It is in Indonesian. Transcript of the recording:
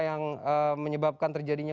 yang menyebabkan terjadinya